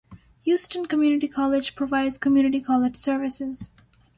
Houston Community College provides community college services.